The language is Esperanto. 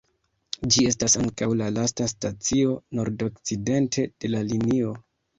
Ĝi estas ankaŭ la lasta stacio nordokcidente de la linio.